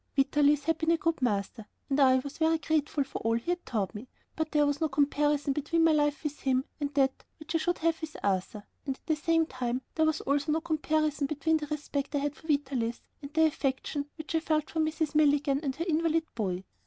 Vitalis had been a good master, and I was very grateful for all he had taught me, but there was no comparison between my life with him and that which I should have with Arthur, and at the same time, there was also no comparison between the respect I had for Vitalis and the affection which I felt for Mrs. Milligan and her invalid boy.